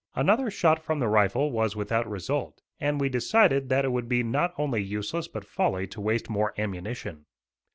Another shot from the rifle was without result, and we decided that it would be not only useless but folly to waste more ammunition.